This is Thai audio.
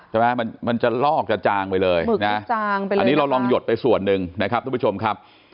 มันจะลอกจะจางไปเลยนะอันนี้เราลองหยดไปส่วนหนึ่งนะครับทุกผู้ชมครับ